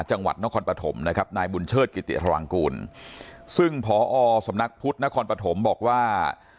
จังหวัดนครปฐมนะครับนายบุญเชิดกิติธรังกูลซึ่งพอสำนักพุทธนครปฐมบอกว่า